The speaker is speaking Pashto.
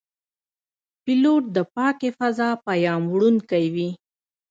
پیلوټ د پاکې فضا پیاموړونکی وي.